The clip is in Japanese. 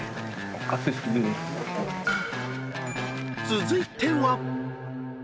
［続いては］